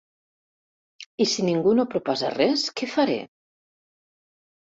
I si ningú no proposa res, ¿què faré?